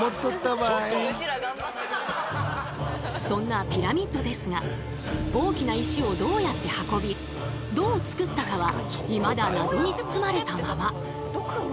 そんなピラミッドですが大きな石をどうやって運びどうつくったかはいまだ謎に包まれたまま！